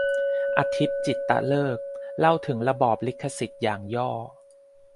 อธิป จิตตฤกษ์ เล่าถึงระบอบลิขสิทธิ์อย่างย่อ